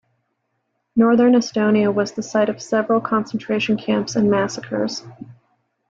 Northern Estonia was the site of several concentration camps and massacres.